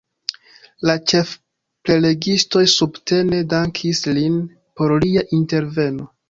La ĉefprelegistoj subtene dankis lin por lia interveno.